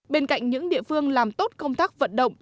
bên cạnh những địa phương làm tốt công tác vận động